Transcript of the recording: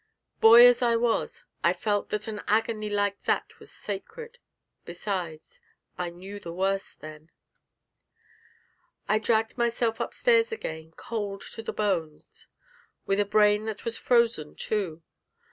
Boy as I was, I felt that an agony like that was sacred; besides, I knew the worst then. I dragged myself upstairs again, cold to the bones, with a brain that was frozen too.